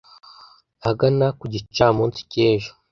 Ahagana ku gicamunsi cyejo